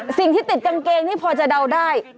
สิ่งที่ติดกางเกงนี่พอจะเดาได้